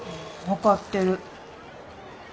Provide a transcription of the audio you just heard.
分かってる。